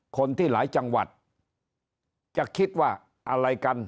คนที่หลายจังหวัดจะคิดว่าอะไรกัน